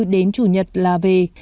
đến chủ nhật là về